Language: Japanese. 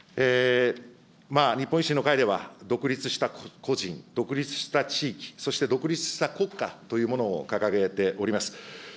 日本維新の会では、独立した個人、独立した地域、そして独立した国家というものを掲げております。